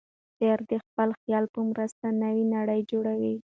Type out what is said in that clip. شاعر د خپل خیال په مرسته نوې نړۍ جوړوي.